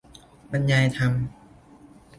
บรรยายธรรม